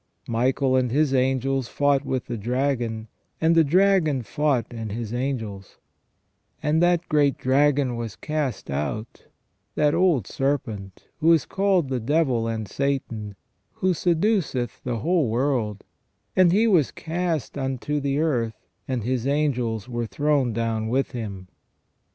Michael and his angels fought with the dragon, and the dragon fought and his angels, and that great dragon was cast out, that old serpent, who is called the devil and Satan, who seduceth the whole world : and he was cast unto the earth, and his angels were thrown down with him."